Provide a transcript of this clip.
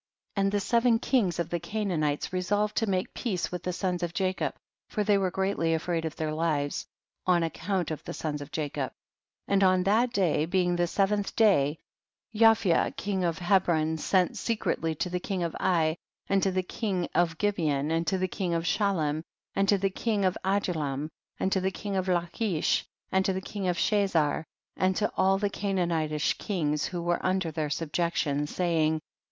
22. And the seven kings of the Canaanites resolved to make peace with the sons of Jacob, for they were greatly afraid of their lives, on ac count of the sons of Jacob. 23. And on that day, being the seventh day, Japhia king of Hebron sent secretly to the king of Ai, and to the king of Gibeon, and to the king of Shalem, aud to the king of Adu 1am, and to the king of Lachish, and to the king of Chazar, and to all the Canaanitish kings who were under their subjection, saying, 24.